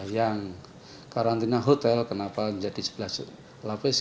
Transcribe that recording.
yang karantina hotel kenapa menjadi sebelas lapis karena pcr nya di sini